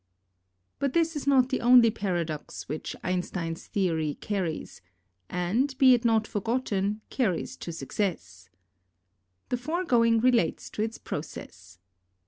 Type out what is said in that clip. But this is not the only paradox which Einstein's theory carries, and, be it not forgotten, carries to success. The foregoing relates to its process.